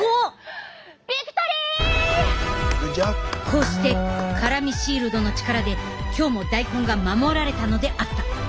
こうしてカラミシールドの力で今日も大根が守られたのであった。